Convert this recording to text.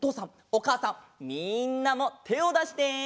おかあさんみんなもてをだして！